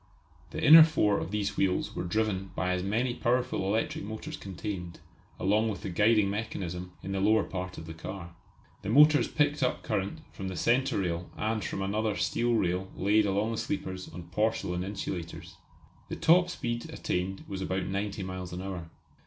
The inner four of these wheels were driven by as many powerful electric motors contained, along with the guiding mechanism, in the lower part of the car. The motors picked up current from the centre rail and from another steel rail laid along the sleepers on porcelain insulators. The top speed attained was about ninety miles an hour.